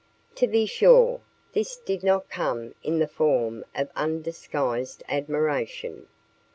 To be sure, this did not come in the form of undisguised admiration.